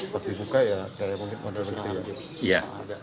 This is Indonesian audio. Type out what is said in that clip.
pas dibuka ya dari mobil mobil itu ya